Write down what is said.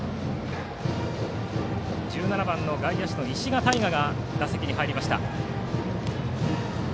１７番の外野手の石賀敦佳が打席に入りました。